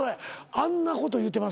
あんなこと言うてますよ。